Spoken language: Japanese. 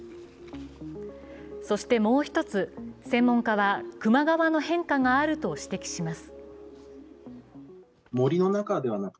そしてもう一つ、専門家は熊側の変化があると指摘します。